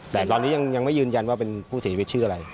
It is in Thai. แต่ตอนนี้ยังไม่ยืนยันว่าเป็นผู้เสียชีวิตชื่ออะไร